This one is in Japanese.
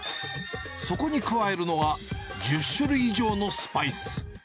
そこに加えるのは、１０種類以上のスパイス。